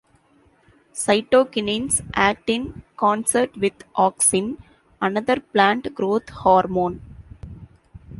Cytokinins act in concert with auxin, another plant growth hormone.